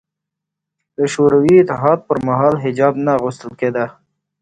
د شوروي اتحاد پر مهال حجاب نه اغوستل کېده